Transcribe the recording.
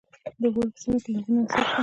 د غور په سیمه کې لرغوني اثار شته